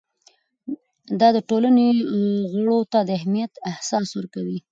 دا د ټولنې غړو ته د اهمیت احساس ورکوي.